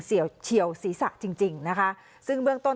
เฉียวศีรษะจริงจริงนะคะซึ่งเบื้องต้น